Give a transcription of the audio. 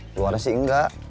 luar sih enggak